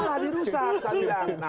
yang salah dirusak